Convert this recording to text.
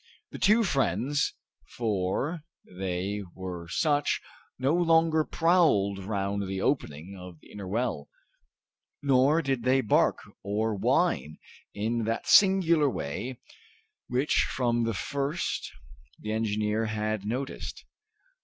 The two friends for they were such no longer prowled round the opening of the inner well, nor did they bark or whine in that singular way which from the first the engineer had noticed.